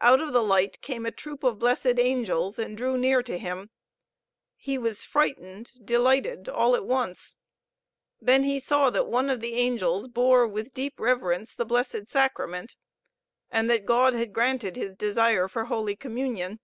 Out of the light came a troop of blessed angels and drew near to him. He was frightened, delighted, all at once. Then he saw that one of the angels bore with deep reverence the Blessed Sacrament, and that God had granted his desire for Holy Communion.